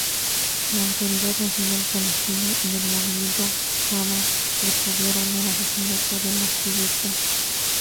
La Autoridad Nacional Palestina y el movimiento Hamas repudiaron el asesinato del activista.